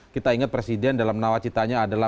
kita ingat presiden dalam nawacitanya adalah